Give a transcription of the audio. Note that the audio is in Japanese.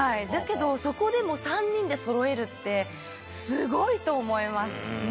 だけど、そこでも３人でそろえるって、すごいと思います。